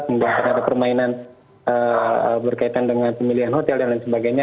kemudian terhadap permainan berkaitan dengan pemilihan hotel dan lain sebagainya